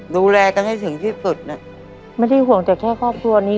ดูแลกันให้ถึงที่สุดน่ะไม่ได้ห่วงแต่แค่ครอบครัวนี้